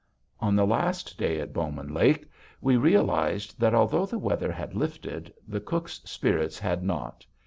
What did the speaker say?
On the last day at Bowman Lake, we realized that although the weather had lifted, the cook's spirits had not.